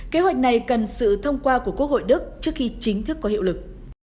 kế hoạch này cần sự thông qua của quốc hội đức trước khi chính thức có hiệu lực